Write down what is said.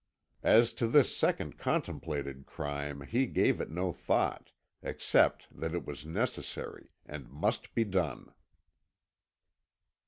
As to this second contemplated crime he gave it no thought, except that it was necessary, and must be done.